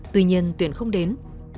tuy nhiên tuyền không đến